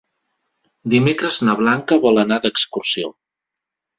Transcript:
Dimecres na Blanca vol anar d'excursió.